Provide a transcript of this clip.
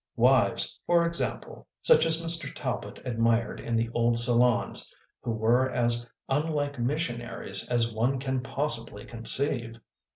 Wives for example, such as Mr. Talbot admired in the old salons, who were as unlike missionaries as one can possibly conceive.